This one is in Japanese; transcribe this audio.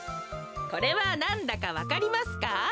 これはなんだかわかりますか？